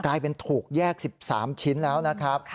กลายเป็นถูกแยก๑๓ชิ้นแล้วนะครับ